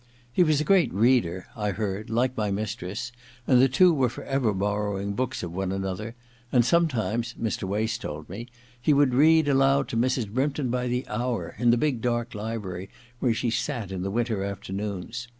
He was a great reader, I heard, like my mistress, and the two were forever borrowing books of one another, and sometimes (Mr. Wace told me) he would read aloud to Mrs. Brympton by the hour, in the big dark library where she sat in the winter afternoons.